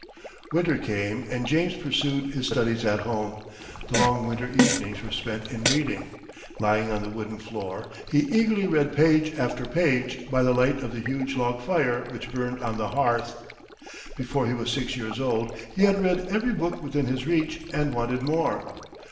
Winter came, and James pursued his studies at home. The long winter evenings were spent in reading. Lying on the wooden floor, he eagerly read page after page, by the light of the huge log fire which burned on the hearth. Before he was six years old he had read every book within his reach, and wanted more.